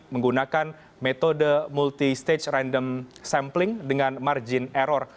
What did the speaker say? menggunakan metode multi stage random sampling dengan margin error